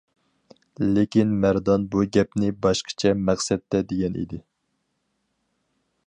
لېكىن مەردان بۇ گەپنى باشقىچە مەقسەتتە دېگەن ئىدى.